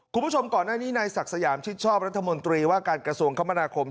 คุณผู้ชมก่อนหน้านี้นายศักดิ์สยามชิดชอบรัฐมนตรีว่าการกระทรวงคมนาคม